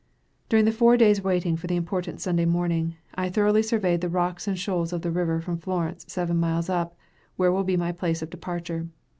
During the four days waiting for the important Sunday morning, I thoroughly surveyed the rocks and shoals of the river from Florence seven miles up, where will be my place of departure.